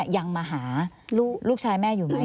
ยังมาหาลูกชายแม่อยู่ไหม